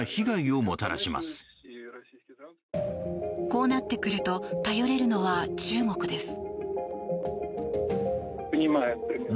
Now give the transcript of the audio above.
こうなってくると頼れるのは中国です。